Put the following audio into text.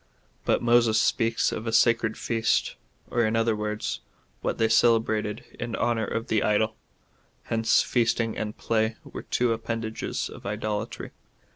"^ But Moses speaks of a sacred feast, or in other words, Avhat they celebrated in honour of the idol. Hence feasting and play were two appendages of idolatry.